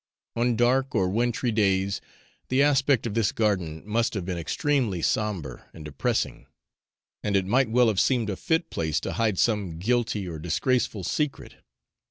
On dark or wintry days, the aspect of this garden must have been extremely sombre and depressing, and it might well have seemed a fit place to hide some guilty or disgraceful secret.